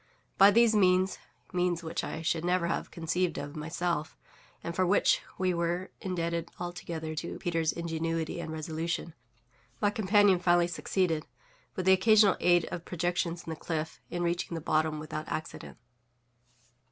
By these means (means which I should never have conceived of myself, and for which we were indebted altogether to Peters' ingenuity and resolution) my companion finally succeeded, with the occasional aid of projections in the cliff, in reaching the bottom without accident.